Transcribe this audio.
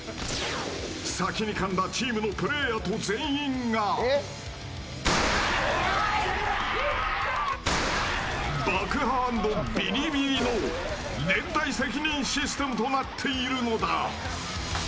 先にかんだチームのプレーヤーと全員が爆破＆ビリビリの連帯責任システムとなっているのだ。